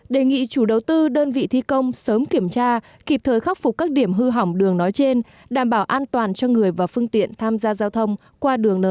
đề nghị chủ đầu tư đơn vị thi công sớm kiểm tra kịp thời khắc phục các điểm hư hỏng đường nói trên đảm bảo an toàn cho người và phương tiện tham gia giao thông qua đường n sáu